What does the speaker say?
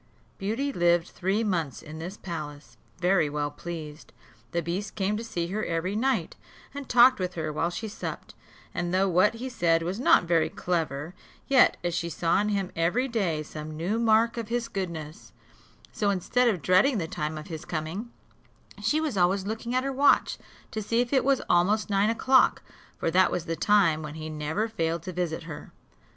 Beauty lived three months in this palace, very well pleased. The beast came to see her every night, and talked with her while she supped; and though what he said was not very clever, yet as she saw in him every day some new mark of his goodness, so instead of dreading the time of his coming, she was always looking at her watch, to see if it was almost nine o'clock; for that was the time when he never failed to visit her.